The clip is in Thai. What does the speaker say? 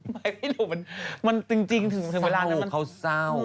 ไม่ไม่รู้มันจริงถึงเวลานั้นเขาเศร้าเขาเศร้า